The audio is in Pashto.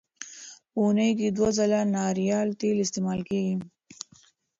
په اونۍ کې دوه ځله ناریال تېل استعمال کړئ.